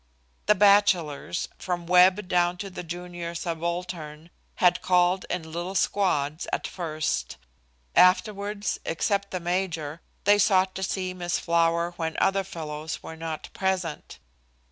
The bachelors, from Webb down to the junior subaltern, had called in little squads at first; afterwards, except the major, they sought to see Miss Flower when other fellows were not present.